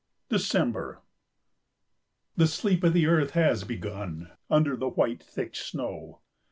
December. The sleep of the earth has begun under the white, thick snow.